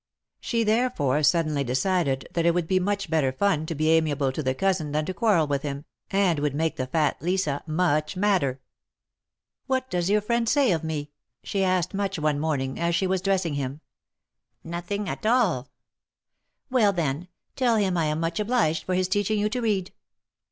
She therefore suddenly decided that it would be much better fun to be amiable to 'Hhe cousin" than to quarrel with him, *^and would make the fat Lisa much madder." What does your friend say of me?" she asked Much, one morning, as she was dressing him. THE MARKETS OF PARIS. 151 Nothing at all." '^Well, then, tell him I am much obliged for his teaching you to read."